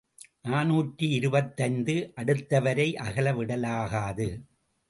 நாநூற்று இருபத்தைந்து அடுத்தவரை அகல விடலாகாது.